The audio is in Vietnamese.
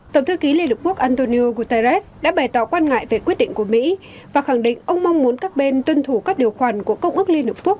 tổng thư ký liên hợp quốc antonio guterres đã bày tỏ quan ngại về quyết định của mỹ và khẳng định ông mong muốn các bên tuân thủ các điều khoản của công ước liên hợp quốc